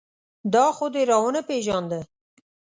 دا خو دې را و نه پېژانده.